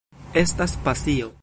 Estas pasio.